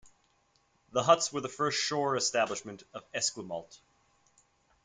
The huts were the first shore establishment at Esquimalt.